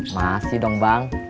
masih dong bang